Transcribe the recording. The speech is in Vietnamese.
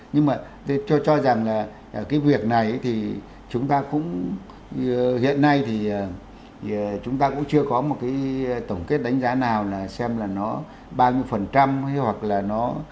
nhưng mà tôi cho rằng là cái việc này thì chúng ta cũng hiện nay thì chúng ta cũng chưa có một cái tổng kết đánh giá nào là xem là nó bao nhiêu hay hoặc là nó